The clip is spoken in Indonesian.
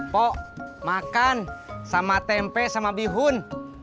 pok makan sama tempe sama bihun